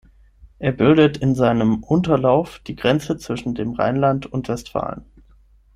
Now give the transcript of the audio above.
Er bildete in seinem Unterlauf die Grenze zwischen dem Rheinland und Westfalen.